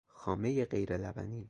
خامهی غیرلبنی